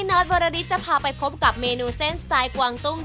นอทวริตจะพาไปพบกับเมนูเส้นสไตล์กวางตุ้ง